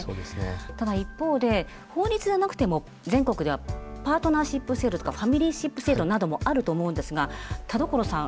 ただ一方で法律じゃなくても全国ではパートナーシップ制度とかファミリーシップ制度などもあると思うんですが田所さん